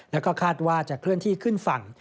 แล้วก็คาดว่าจะเคลื่อนที่ขึ้นฝั่ง